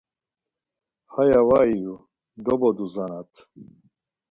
Haya var iyu doboduzanat.